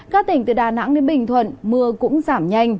các tỉnh từ đà nẵng đến bình thuận mưa cũng giảm nhanh